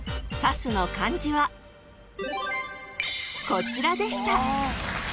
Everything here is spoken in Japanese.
［こちらでした］